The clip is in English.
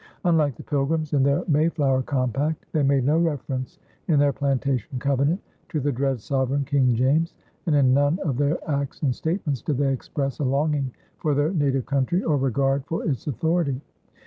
Unlike the Pilgrims in their Mayflower compact, they made no reference in their plantation covenant to the dread sovereign, King James, and in none of their acts and statements did they express a longing for their native country or regard for its authority.